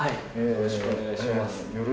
よろしくお願いします。